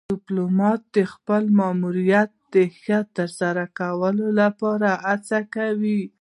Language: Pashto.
ډيپلومات د خپل ماموریت د ښه ترسره کولو لپاره هڅه کوي.